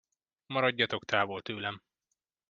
Maradjatok távol tőlem.